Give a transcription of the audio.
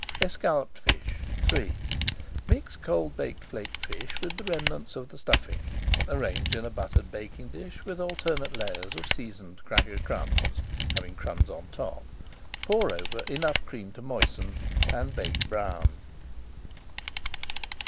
ESCALLOPED FISH III Mix cold baked flaked fish with the remnants of the stuffing. Arrange in a buttered baking dish with alternate layers of seasoned cracker crumbs, having crumbs on top. Pour over enough cream to moisten, and bake brown.